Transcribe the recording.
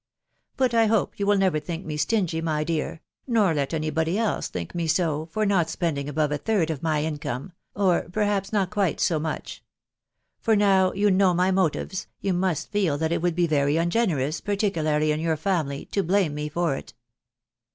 But I hope you will never think me stingy, my dear, nor let any body else think me so, for not spending above a third of my income, or perhaps not quite so much ; for, now you know my motives, you must feel that it would be very ungenerous, particularly in your family, to blame me for it."